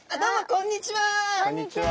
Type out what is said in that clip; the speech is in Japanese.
こんにちは。